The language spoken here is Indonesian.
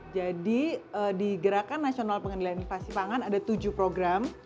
jadi di gerakan nasional pengendalian inflasi pangan ada tujuh program